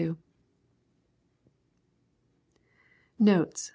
Notes.